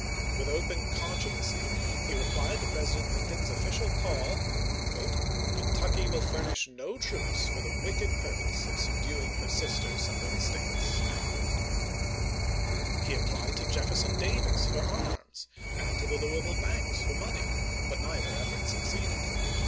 With open contumacy ^tSon? he replied to President Lincoln's official call, " Ken ^V. k. * tucky will f arnish no troops for the wicked purpose Series III. Vol. I., p. 98. of subduing her sister Southern States." He ap plied to Jefferson Davis for arms, and to the Louis ville banks for money, but neither effort succeeded.